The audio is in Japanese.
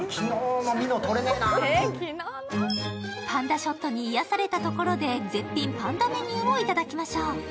パンダショットに癒やされたところで絶品パンダメニューを頂きましょう。